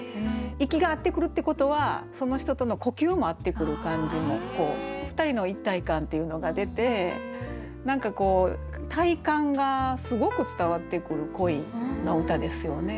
息が合ってくるってことはその人との呼吸も合ってくる感じも２人の一体感っていうのが出て何かこう体感がすごく伝わってくる恋の歌ですよね。